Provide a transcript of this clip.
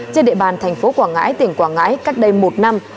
trên địa bàn tp quảng ngãi tỉnh quảng ngãi cách đây một năm